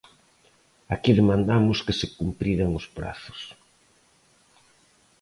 Aquí demandamos que se cumpriran os prazos.